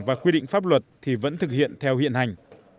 và quy định pháp luật thì vẫn thực hiện theo hiện hành